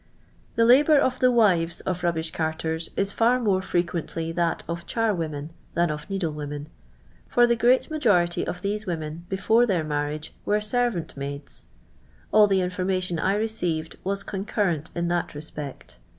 The labour of the wives of the rubbish carters is far more frequently that of char women than of needle women, for the great majority of these women before their marriage were servant maids. All the information I received wa« concurrent in that respect.